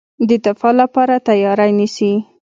د دفاع لپاره تیاری نیسي.